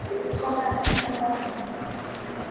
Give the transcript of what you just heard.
Msichana anasongwa nywele.